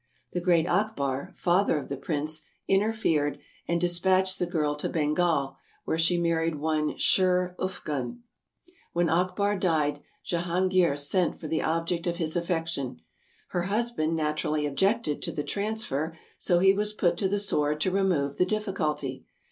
The great Akbar, father of the prince, interfered and dispatched the girl to Bengal, where she married one Sher Ufgun. When Akbar died, Jehangeer sent for the object of his affection. Her husband naturally objected to the transfer, so he was put to the sword to remove the difficulty.